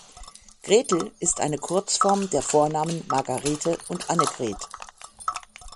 Gretel ist eine Kurzform der Vornamen Margarete und Annegret.